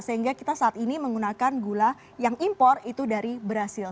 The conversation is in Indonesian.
sehingga kita saat ini menggunakan gula yang impor itu dari brazil